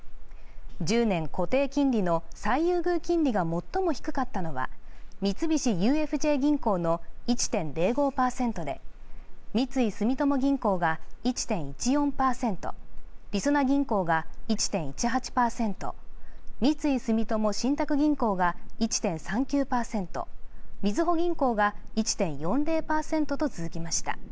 １０年固定金利の最優遇金利が最も低かったのは三菱ＵＦＪ銀行の１．０５％で三井住友銀行が１．１４％、りそな銀行が１．１８％三井住友信託銀行が１．３９％、みずほ銀行が１．４０％と続きました。